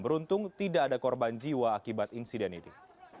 beruntung tidak ada korban jiwa akibat insiden ini